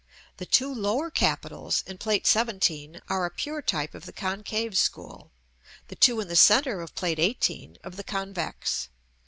The two lower capitals in Plate XVII. are a pure type of the concave school; the two in the centre of Plate XVIII., of the convex.